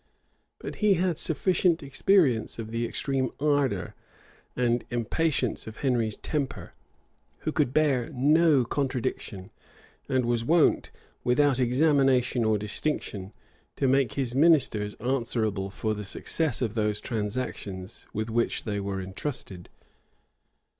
But he had sufficient experience of the extreme ardor and impatience of Henry's temper, who could bear no contradiction, and was wont, without examination or distinction, to make his ministers answerable for the success of those transactions with which they were intrusted.